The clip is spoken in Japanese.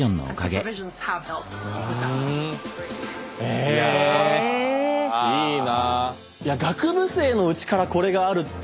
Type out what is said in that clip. えいいな。